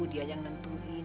dia yang nentuin